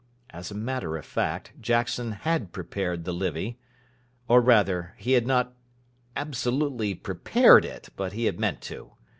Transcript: As a matter of fact, Jackson had prepared the Livy. Or, rather, he had not absolutely prepared it; but he had meant to.